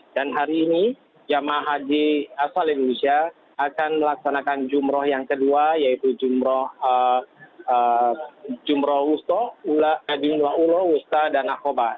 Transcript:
dan hari ini jomah haji aswalin indonesia akan melaksanakan jumroh yang kedua yaitu jumroh wusto ula wusta dan akobah